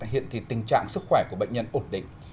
hiện thì tình trạng sức khỏe của bệnh nhân ổn định